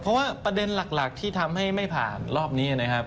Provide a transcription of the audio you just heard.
เพราะว่าประเด็นหลักที่ทำให้ไม่ผ่านรอบนี้นะครับ